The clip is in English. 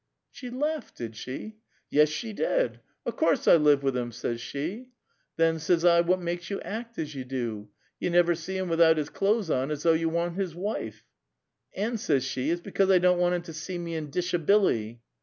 '"'' She laughed, did she?" "Yes, she did. ' O' course I live with him,' says she. 'Then,' says I, ' what makes you act as you do? You never see him without his clo'es on, as though you wan't his wife.' And, says she, ' It's because I don't want him to see me in dishabilly.'